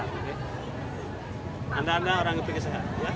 anda anda orang yang ingin berpikir sehat